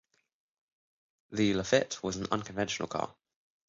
The Lafitte was an unconventional car.